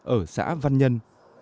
ở xã văn nhân